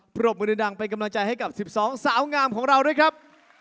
ปรบมือดังเป็นกำลังใจให้กับ๑๒สาวงามของเราด้วยครับ